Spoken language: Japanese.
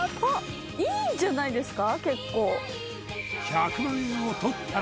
いいんじゃないですか？